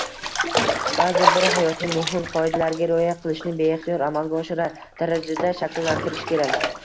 baʼzi bir hayotiy muhim qoidalarga rioya qilishni beixtiyor amalga oshirar darajada shakllantirish kerak.